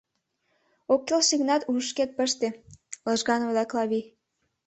Ок келше гынат, ушышкет пыште, — лыжган ойла Клави.